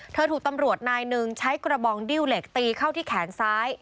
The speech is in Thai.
ถูกตำรวจนายหนึ่งใช้กระบองดิ้วเหล็กตีเข้าที่แขนซ้าย